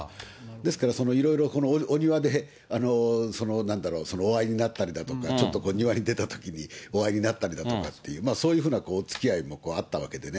ですから、いろいろお庭でなんだろう、お会いになったりだとか、ちょっと庭に出たときに、お会いになったりだとかっていう、そういうふうなおつきあいもあったわけでね。